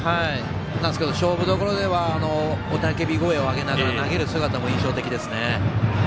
勝負どころでは雄たけび声を上げながら投げる姿も印象的ですね。